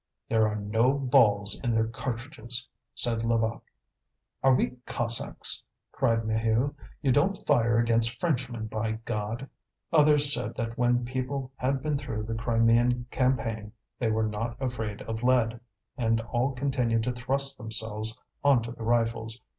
"There are no balls in their cartridges," said Levaque. "Are we Cossacks?" cried Maheu. "You don't fire against Frenchmen, by God!" Others said that when people had been through the Crimean campaign they were not afraid of lead. And all continued to thrust themselves on to the rifles.